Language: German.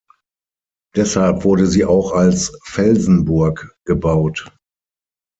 Deshalb wurde sie auch als Felsenburg gebaut.